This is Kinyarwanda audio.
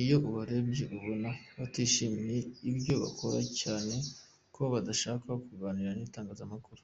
Iyo ubarebye ubona batishimiye ibyo bakora, cyane ko badashaka kuganira n’itangazamakuru.